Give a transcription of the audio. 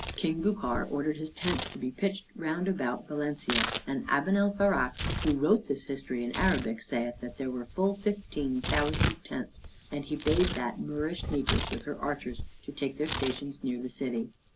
King Bucar ordered his tents to be pitched round about Valencia, and Abenalfarax, who wrote this history in Arabic, saith that there were full fifteen thousand tents; and he bade that Moorish negress with her archers to take their station near the city.